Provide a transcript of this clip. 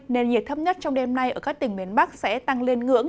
nền nhiệt thấp nhất trong đêm nay ở các tỉnh miền bắc sẽ tăng lên ngưỡng